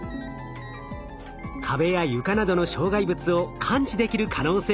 壁や床などの障害物を感知できる可能性が分かりました。